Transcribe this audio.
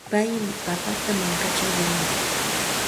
Pay papata mankaćhaw yanuyan.